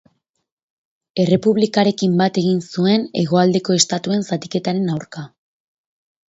Errepublikarekin bat egin zuen hegoaldeko estatuen zatiketaren aurka.